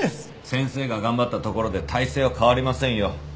先生が頑張ったところで大勢は変わりませんよ。